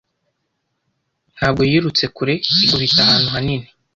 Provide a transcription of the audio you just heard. Ntabwo yirutse kure ikubita ahantu hanini